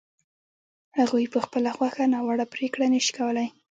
هغوی په خپله خوښه ناوړه پرېکړه نه شي کولای.